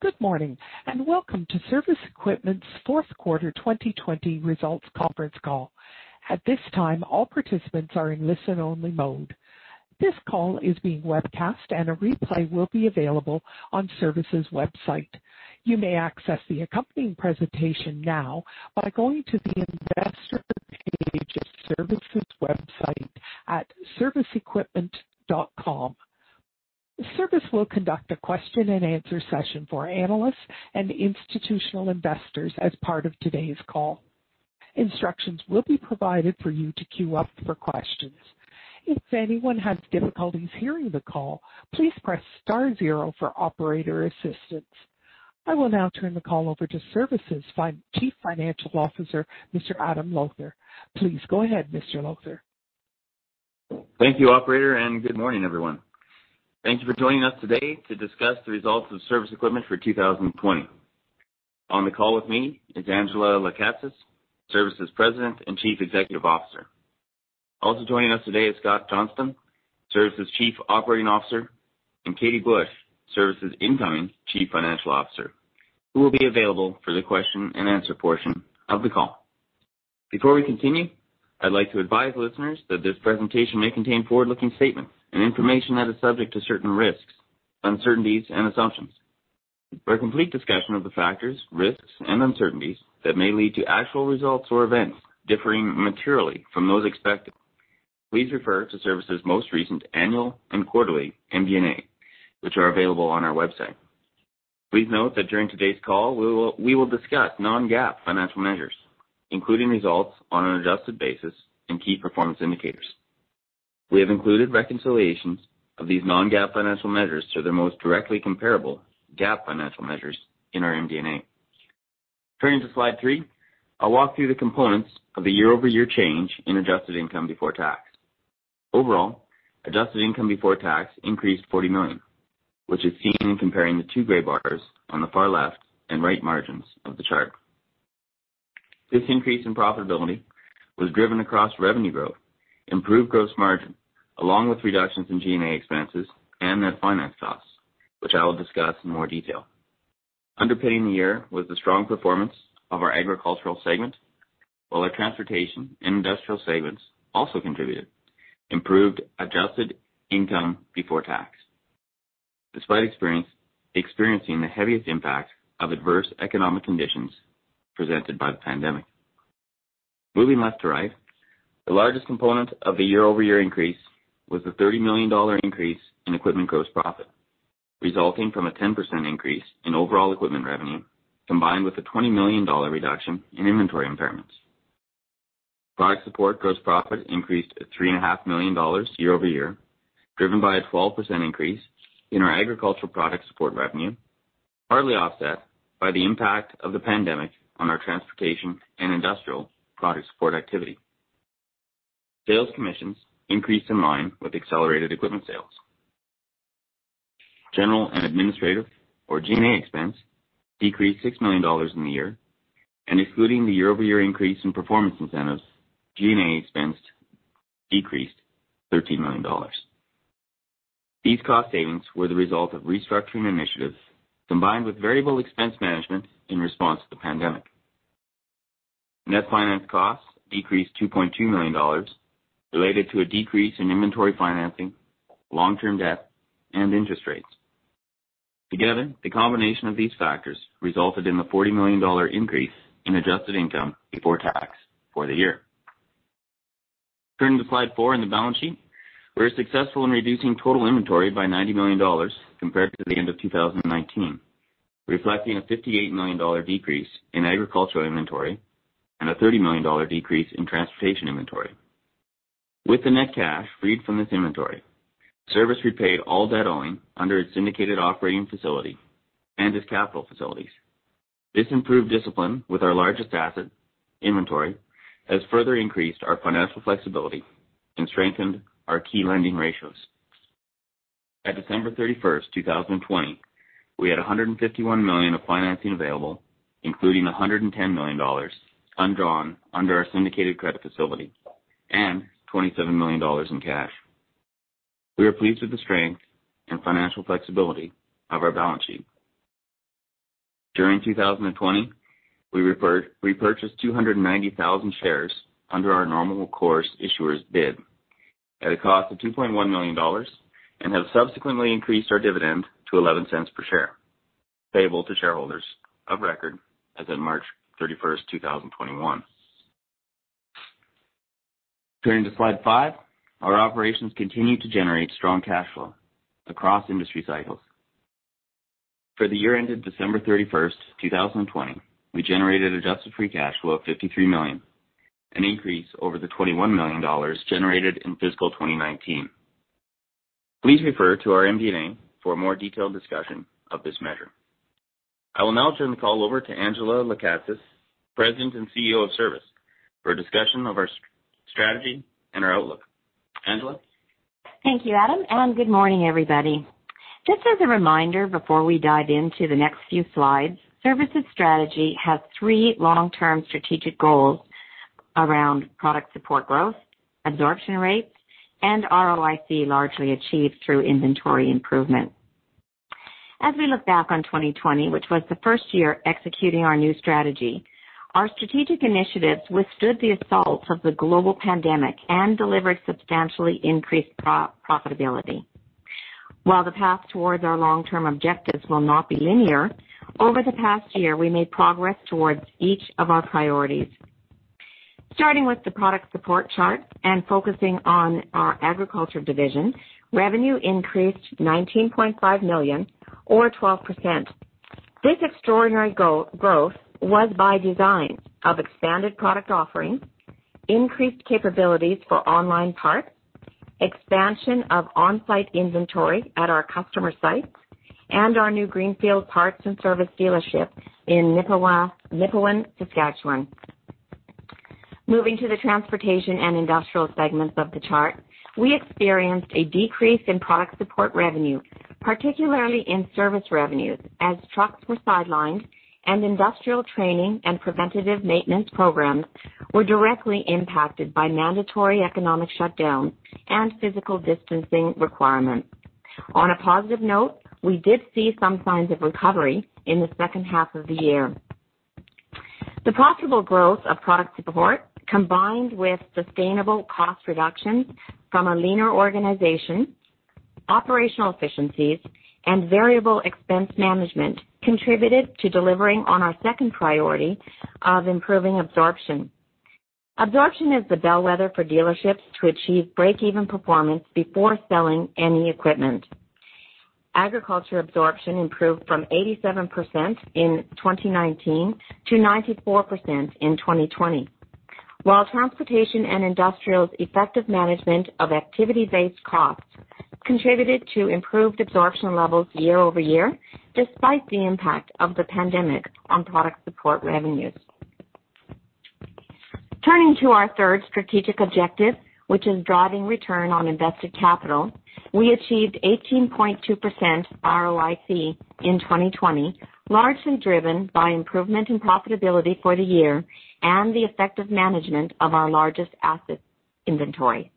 Good morning, welcome to Cervus Equipment's fourth quarter 2020 results conference call. At this time, all participants are in listen-only mode. This call is being webcast, a replay will be available on Cervus' website. You may access the accompanying presentation now by going to the investor page of Cervus' website at cervusequipment.com. Cervus will conduct a question and answer session for analysts and institutional investors as part of today's call. Instructions will be provided for you to queue up for questions. If anyone has difficulties hearing the call, please press star zero for operator assistance. I will now turn the call over to Cervus' Chief Financial Officer, Mr. Adam Lowther. Please go ahead, Mr. Lowther. Thank you, operator. Good morning, everyone. Thank you for joining us today to discuss the results of Cervus Equipment for 2020. On the call with me is Angela Lekatsas, Cervus' President and Chief Executive Officer. Also joining us today is Scott Johnston, Cervus' Chief Operating Officer, and Catie Busch, Cervus' Incoming Chief Financial Officer, who will be available for the question and answer portion of the call. Before we continue, I'd like to advise listeners that this presentation may contain forward-looking statements and information that is subject to certain risks, uncertainties, and assumptions. For a complete discussion of the factors, risks, and uncertainties that may lead to actual results or events differing materially from those expected, please refer to Cervus' most recent annual and quarterly MD&A, which are available on our website. Please note that during today's call, we will discuss non-GAAP financial measures, including results on an adjusted basis and key performance indicators. We have included reconciliations of these non-GAAP financial measures to their most directly comparable GAAP financial measures in our MD&A. Turning to slide three, I will walk through the components of the year-over-year change in adjusted income before tax. Overall, adjusted income before tax increased 40 million, which is seen in comparing the two gray bars on the far left and right margins of the chart. This increase in profitability was driven across revenue growth, improved gross margin, along with reductions in G&A expenses and net finance costs, which I will discuss in more detail. Underpinning the year was the strong performance of our agricultural segment, while our transportation and industrial segments also contributed improved adjusted income before tax despite experiencing the heaviest impact of adverse economic conditions presented by the pandemic. Moving left to right, the largest component of the year-over-year increase was the 30 million dollar increase in equipment gross profit, resulting from a 10% increase in overall equipment revenue, combined with a 20 million dollar reduction in inventory impairments. Product support gross profit increased at 3.5 million dollars year-over-year, driven by a 12% increase in our agricultural product support revenue, partly offset by the impact of the pandemic on our transportation and industrial product support activity. Sales commissions increased in line with accelerated equipment sales. General and administrative, or G&A expense, decreased 6 million dollars in the year. Excluding the year-over-year increase in performance incentives, G&A expense decreased 13 million dollars. These cost savings were the result of restructuring initiatives combined with variable expense management in response to the pandemic. Net finance costs decreased 2.2 million dollars related to a decrease in inventory financing, long-term debt, and interest rates. Together, the combination of these factors resulted in the 40 million dollar increase in adjusted income before tax for the year. Turning to slide four in the balance sheet. We were successful in reducing total inventory by 90 million dollars compared to the end of 2019, reflecting a 58 million dollar decrease in agricultural inventory and a 30 million dollar decrease in transportation inventory. With the net cash freed from this inventory, Cervus repaid all debt owing under its syndicated operating facility and its capital facilities. This improved discipline with our largest asset, inventory, has further increased our financial flexibility and strengthened our key lending ratios. At 31 December 2020, we had 151 million of financing available, including 110 million dollars undrawn under our syndicated credit facility and 27 million dollars in cash. We are pleased with the strength and financial flexibility of our balance sheet. During 2020, we repurchased 290,000 shares under our normal course issuer bid at a cost of 2.1 million dollars and have subsequently increased our dividend to 0.11 per share, payable to shareholders of record as of 31 March 2021. Turning to slide five. Our operations continue to generate strong cash flow across industry cycles. For the year ended 31 December 2020, we generated adjusted free cash flow of 53 million, an increase over the 21 million dollars generated in fiscal 2019. Please refer to our MD&A for a more detailed discussion of this measure. I will now turn the call over to Angela Lekatsas, President and CEO of Cervus, for a discussion of our strategy and our outlook. Angela. Thank you, Adam. Good morning, everybody. Just as a reminder, before we dive into the next few slides, Cervus' strategy has three long-term strategic goals. Around product support growth, absorption rates, ROIC largely achieved through inventory improvement. As we look back on 2020, which was the first year executing our new strategy, our strategic initiatives withstood the assault of the global pandemic and delivered substantially increased profitability. While the path towards our long-term objectives will not be linear, over the past year, we made progress towards each of our priorities. Starting with the product support chart, focusing on our agriculture division, revenue increased 19.5 million or 12%. This extraordinary growth was by design of expanded product offerings, increased capabilities for online parts, expansion of on-site inventory at our customer sites, and our new greenfield parts and service dealership in Nipawin, Saskatchewan. Moving to the transportation and industrial segments of the chart, we experienced a decrease in product support revenue, particularly in service revenues, as trucks were sidelined and industrial training and preventative maintenance programs were directly impacted by mandatory economic shutdown and physical distancing requirements. On a positive note, we did see some signs of recovery in the second half of the year. The profitable growth of product support, combined with sustainable cost reductions from a leaner organization, operational efficiencies, and variable expense management, contributed to delivering on our second priority of improving absorption. Absorption is the bellwether for dealerships to achieve break-even performance before selling any equipment. Agriculture absorption improved from 87% in 2019 to 94% in 2020, while transportation and industrial's effective management of activity-based costs contributed to improved absorption levels year-over-year, despite the impact of the pandemic on product support revenues. Turning to our third strategic objective, which is driving return on invested capital, we achieved 18.2% ROIC in 2020, largely driven by improvement in profitability for the year and the effective management of our largest asset inventory.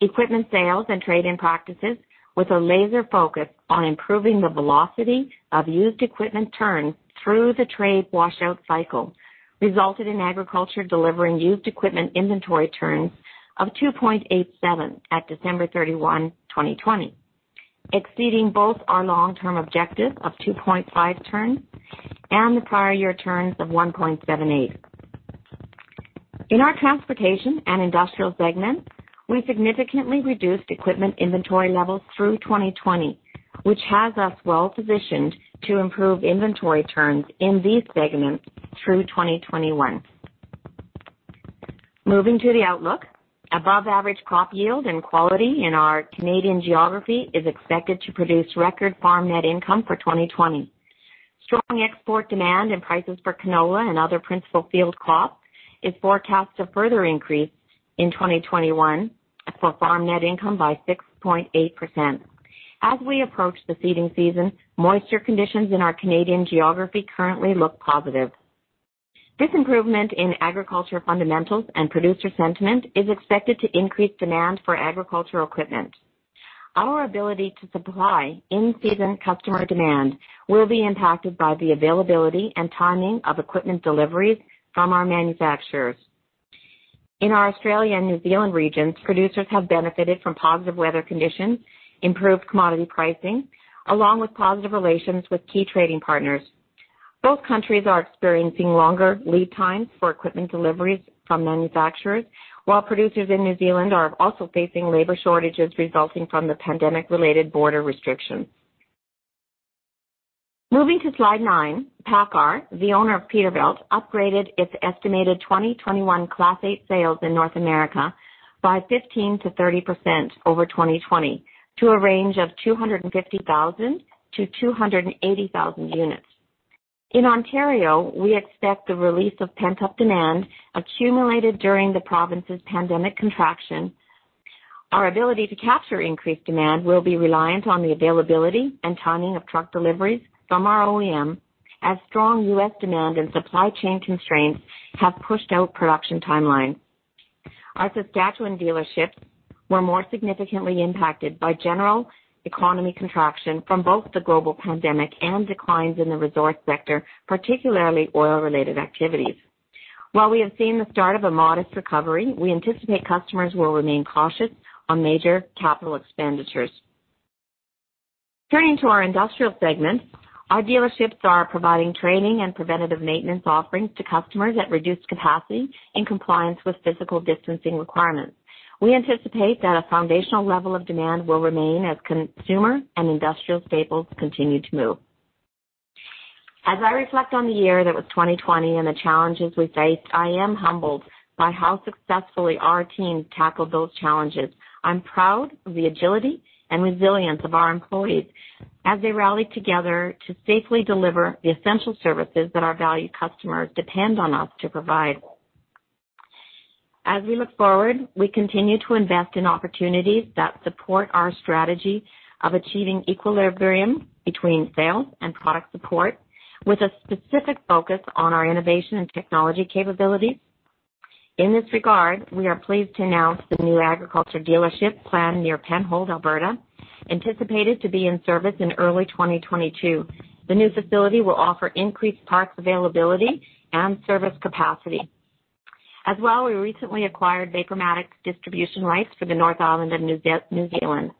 Equipment sales and trade-in practices with a laser focus on improving the velocity of used equipment turns through the trade washout cycle resulted in agriculture delivering used equipment inventory turns of 2.87 at 31 December 2020, exceeding both our long-term objective of 2.5 turns and the prior year turns of 1.78. In our transportation and industrial segments, we significantly reduced equipment inventory levels through 2020, which has us well positioned to improve inventory turns in these segments through 2021. Moving to the outlook. Above average crop yield and quality in our Canadian geography is expected to produce record farm net income for 2020. Strong export demand and prices for canola and other principal field crops is forecast to further increase in 2021 for farm net income by 6.8%. As we approach the seeding season, moisture conditions in our Canadian geography currently look positive. This improvement in agriculture fundamentals and producer sentiment is expected to increase demand for agricultural equipment. Our ability to supply in-season customer demand will be impacted by the availability and timing of equipment deliveries from our manufacturers. In our Australia and New Zealand regions, producers have benefited from positive weather conditions, improved commodity pricing, along with positive relations with key trading partners. Both countries are experiencing longer lead times for equipment deliveries from manufacturers, while producers in New Zealand are also facing labor shortages resulting from the pandemic-related border restrictions. Moving to slide nine. PACCAR, the owner of Peterbilt, upgraded its estimated 2021 Class 8 sales in North America by 15%-30% over 2020 to a range of 250,000-280,000 units. In Ontario, we expect the release of pent-up demand accumulated during the province's pandemic contraction. Our ability to capture increased demand will be reliant on the availability and timing of truck deliveries from our OEM as strong U.S. demand and supply chain constraints have pushed out production timelines. Our Saskatchewan dealerships were more significantly impacted by general economy contraction from both the global pandemic and declines in the resource sector, particularly oil-related activities. While we have seen the start of a modest recovery, we anticipate customers will remain cautious on major capital expenditures. Turning to our industrial segment, our dealerships are providing training and preventative maintenance offerings to customers at reduced capacity in compliance with physical distancing requirements. We anticipate that a foundational level of demand will remain as consumer and industrial staples continue to move. As I reflect on the year that was 2020 and the challenges we faced, I am humbled by how successfully our team tackled those challenges. I'm proud of the agility and resilience of our employees as they rallied together to safely deliver the essential services that our valued customers depend on us to provide. As we look forward, we continue to invest in opportunities that support our strategy of achieving equilibrium between sales and product support, with a specific focus on our innovation and technology capabilities. In this regard, we are pleased to announce the new agriculture dealership planned near Penhold, Alberta, anticipated to be in service in early 2022. The new facility will offer increased parts availability and service capacity. As well, we recently acquired Vapormatic's distribution rights for the North Island of New Zealand.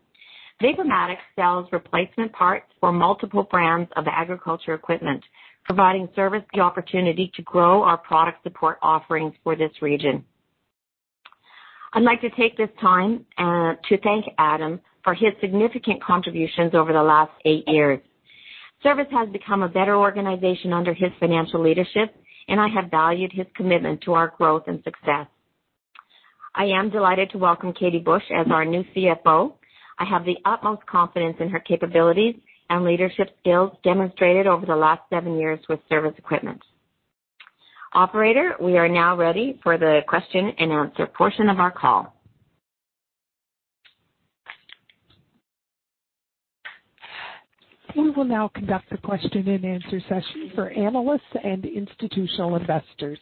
Vapormatic sells replacement parts for multiple brands of agriculture equipment, providing Cervus the opportunity to grow our product support offerings for this region. I'd like to take this time to thank Adam for his significant contributions over the last eight years. Cervus has become a better organization under his financial leadership, and I have valued his commitment to our growth and success. I am delighted to welcome Catie Busch as our new CFO. I have the utmost confidence in her capabilities and leadership skills demonstrated over the last seven years with Cervus Equipment. Operator, we are now ready for the question-and-answer portion of our call. We will now conduct a question-and-answer session for analysts and institutional investors.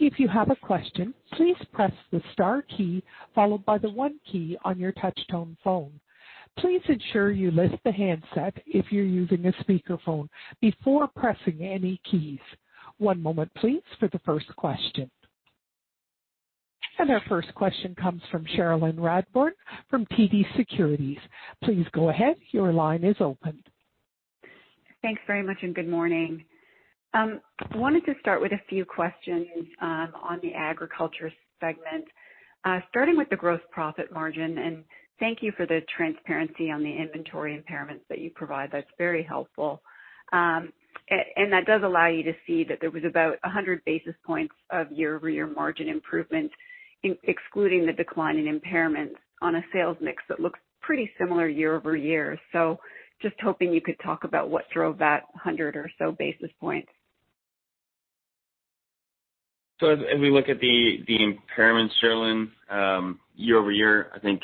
If you have a question, please press the star key followed by the one key on your touch-tone phone. Please ensure you lift the handset if you're using a speakerphone before pressing any keys. One moment please for the first question. Our first question comes from Cherilyn Radbourne from TD Securities. Please go ahead. Your line is open. Thanks very much, and good morning. Wanted to start with a few questions on the agriculture segment. Starting with the gross profit margin, and thank you for the transparency on the inventory impairments that you provide. That's very helpful. And that does allow you to see that there was about 100 basis points of year-over-year margin improvement excluding the decline in impairments on a sales mix that looks pretty similar year over year. Just hoping you could talk about what drove that 100 or so basis points. As we look at the impairments, Cherilyn, year-over-year, I think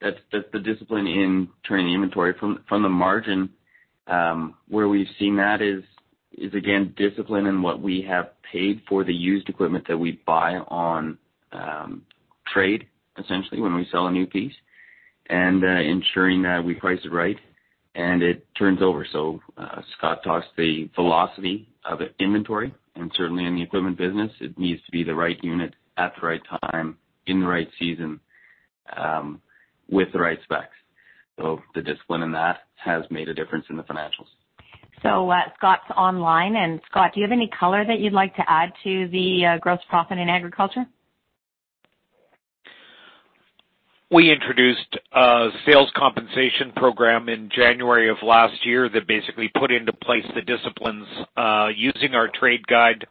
that's the discipline in turning the inventory from the margin, where we've seen that is again, discipline in what we have paid for the used equipment that we buy on trade essentially when we sell a new piece and ensuring that we price it right and it turns over. Scott talks the velocity of inventory, and certainly in the equipment business, it needs to be the right unit at the right time, in the right season, with the right specs. The discipline in that has made a difference in the financials. Scott's online. Scott, do you have any color that you'd like to add to the gross profit in agriculture? We introduced a sales compensation program in January of last year that basically put into place the disciplines, using our trade guide,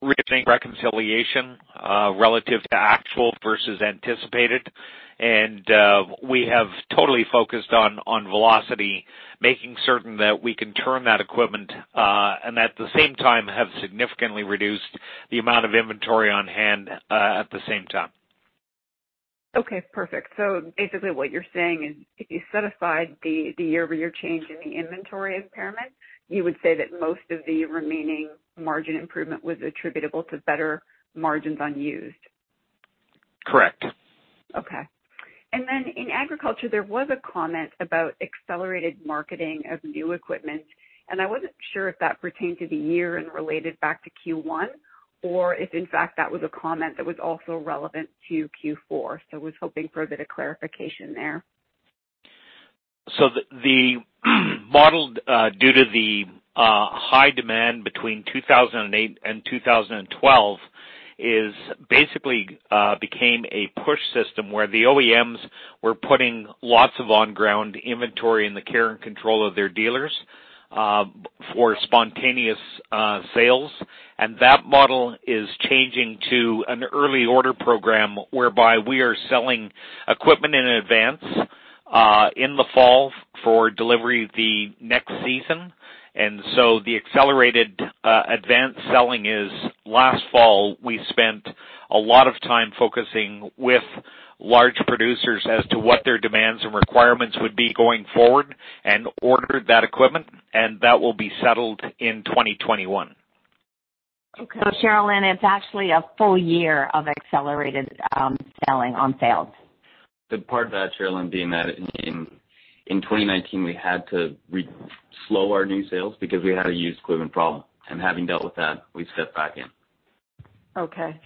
reaching reconciliation, relative to actual versus anticipated. We have totally focused on velocity, making certain that we can turn that equipment, and at the same time have significantly reduced the amount of inventory on hand, at the same time. Okay. Perfect. Basically what you're saying is if you set aside the year-over-year change in the inventory impairment, you would say that most of the remaining margin improvement was attributable to better margins on used. Correct. In agriculture, there was a comment about accelerated marketing of new equipment, and I wasn't sure if that pertained to the year and related back to Q1 or if in fact, that was a comment that was also relevant to Q4. I was hoping for a bit of clarification there. The model, due to the high demand between 2008 and 2012, is basically became a push system where the OEMs were putting lots of on-ground inventory in the care and control of their dealers, for spontaneous sales. That model is changing to an early order program whereby we are selling equipment in advance, in the fall for delivery the next season. The accelerated advanced selling is last fall, we spent a lot of time focusing with large producers as to what their demands and requirements would be going forward and ordered that equipment, and that will be settled in 2021. Cherilyn, it's actually a full year of accelerated selling on sales. The part of that, Cherilyn, being that in 2019 we had to slow our new sales because we had a used equipment problem. Having dealt with that, we've stepped back in. Okay.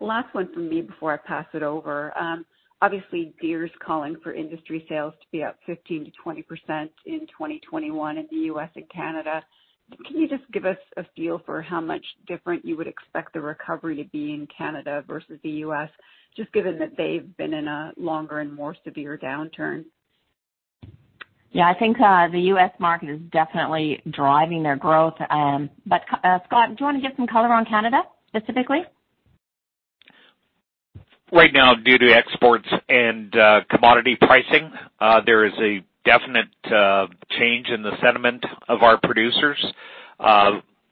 Last one from me before I pass it over. Obviously, Deere's calling for industry sales to be up 15%-20% in 2021 in the U.S. and Canada. Can you just give us a feel for how much different you would expect the recovery to be in Canada versus the U.S., just given that they've been in a longer and more severe downturn? Yeah, I think the U.S. market is definitely driving their growth. Scott, do you wanna give some color on Canada specifically? Right now, due to exports and commodity pricing, there is a definite change in the sentiment of our producers.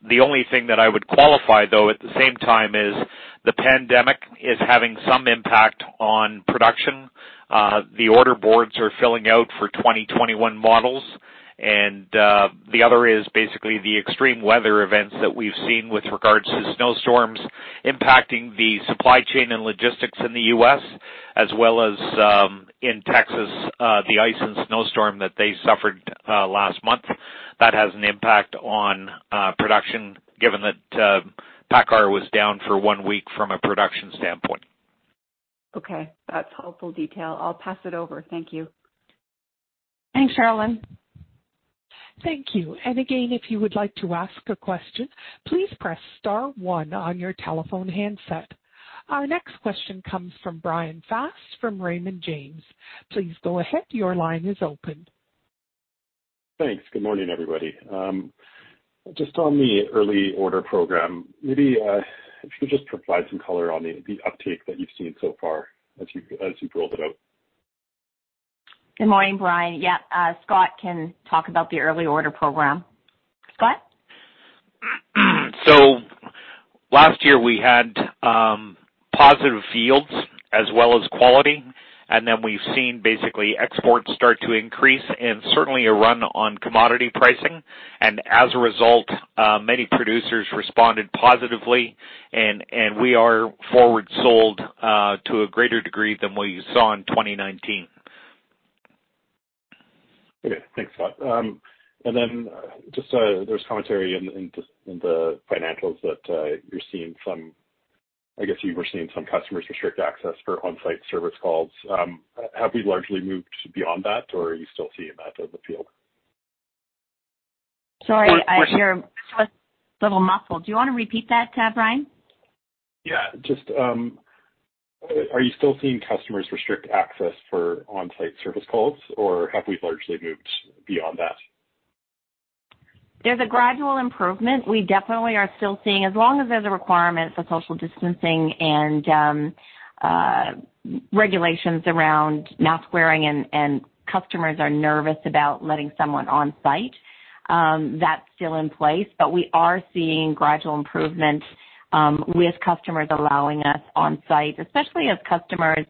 The only thing that I would qualify, though, at the same time is the pandemic is having some impact on production. The order boards are filling out for 2021 models, and the other is basically the extreme weather events that we've seen with regards to snowstorms impacting the supply chain and logistics in the U.S. as well as in Texas, the ice and snow storm that they suffered last month. That has an impact on production, given that PACCAR was down for one week from a production standpoint. Okay, that's helpful detail. I'll pass it over. Thank you. Thanks, Cherilyn. Thank you. Again, if you would like to ask a question, please press star one on your telephone handset. Our next question comes from Bryan Fast from Raymond James. Please go ahead. Your line is open. Thanks. Good morning, everybody. Just on the early order program, maybe, if you could just provide some color on the uptake that you've seen so far as you, as you've rolled it out. Good morning, Bryan. Yeah. Scott can talk about the early order program. Scott? Last year we had positive yields as well as quality, and then we've seen basically exports start to increase and certainly a run on commodity pricing. As a result, many producers responded positively and we are forward sold to a greater degree than what you saw in 2019. Okay. Thanks, Scott. Just there's commentary in the financials that you were seeing some customers restrict access for on-site service calls. Have we largely moved beyond that or are you still seeing that in the field? Sorry, you're a little muffled. Do you wanna repeat that, Bryan? Yeah. Just, are you still seeing customers restrict access for on-site service calls, or have we largely moved beyond that? There's a gradual improvement. We definitely are still seeing, as long as there's a requirement for social distancing and, regulations around mask wearing and customers are nervous about letting someone on site, that's still in place. But we are seeing gradual improvement, with customers allowing us on site, especially as customers,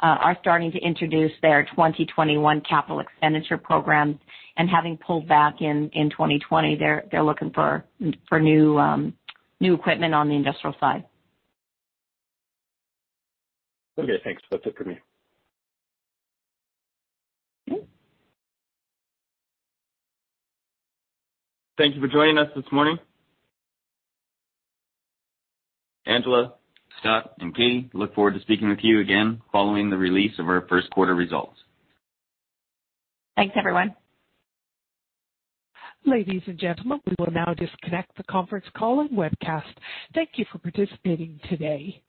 are starting to introduce their 2021 capital expenditure programs. Having pulled back in 2020, they're looking for new equipment on the industrial side. Okay, thanks. That's it for me. Thank you for joining us this morning. Angela, Scott and Katie look forward to speaking with you again following the release of our first quarter results. Thanks, everyone. Ladies and gentlemen, we will now disconnect the conference call and webcast. Thank you for participating today.